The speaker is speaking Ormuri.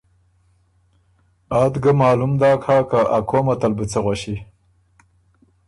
آت ګۀ معلوم داک هۀ که ا قومت ال بُو څۀ غؤݭی؟